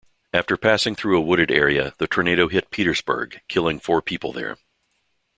After passing through a wooded area, the tornado hit Petersburg, killing four people there.